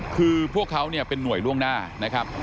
คือพวกเขาเนี่ยเป็นหน่วยล่วงหน้านะครับ